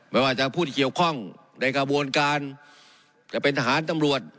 ไม่ว่าจะผู้ที่เกี่ยวข้องในกระบวนการจะเป็นทหารตำรวจ